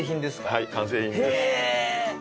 はい完成品です。